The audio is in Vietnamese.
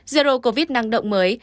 zero covid năng động mới